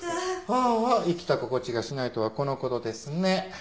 あーあ生きた心地がしないとはこの事ですね。